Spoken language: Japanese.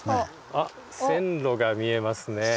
あっ線路が見えますねぇ。